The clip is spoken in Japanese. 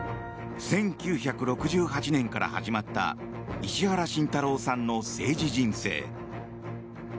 １９６８年から始まった石原慎太郎さんの政治人生。